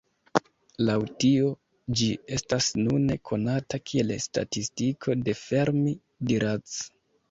Laŭ tio, ĝi estas nune konata kiel Statistiko de Fermi–Dirac.